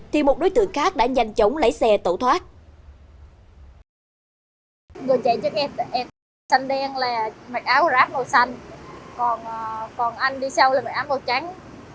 thì một đối tượng mặc áo ráp chạy xe tới vờ hỏi đường